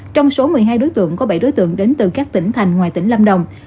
trong số một mươi hai đối tượng có bảy đối tượng đến từ các tỉnh thành ngoài tỉnh lâm đồng